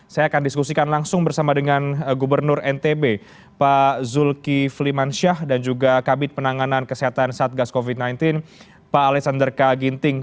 saya akan diskusikan langsung bersama dengan gubernur ntb pak zulkifli mansyah dan juga kabit penanganan kesehatan satgas covid sembilan belas pak alexander k ginting